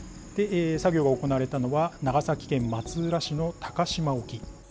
作業が行われたのは、長崎県松浦市の鷹島沖。